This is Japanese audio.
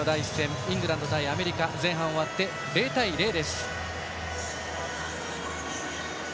イングランド対アメリカ前半が終わって０対０です。